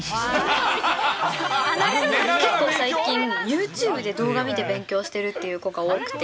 結構最近、ユーチューブで動画見て勉強しているっていう子が多くて。